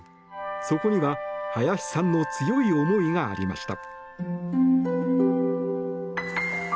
そこには林さんの強い思いがありました。